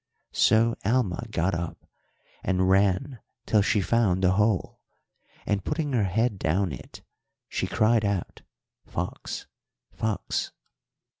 So Alma got up and ran till she found the hole, and, putting her head down it, she cried out, 'Fox! Fox!'